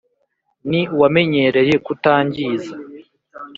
ni uwamenyereye kutangiza